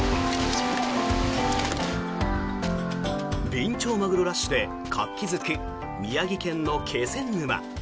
ビンチョウマグロラッシュで活気付く宮城県の気仙沼。